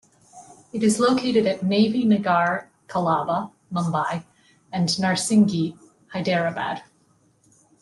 It is located at Navy Nagar, Colaba, Mumbai and Narsingi, Hyderabad.